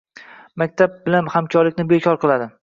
Maktab bilan hamkorlikni bekor qiladi.